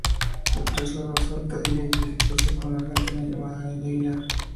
Se trasladó a Salta y allí se casó con una argentina llamada, Nelly Aguilar.